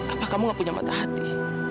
apa kamu gak punya mata hati